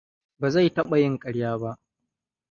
Ba zai taɓa yin ƙarya ba.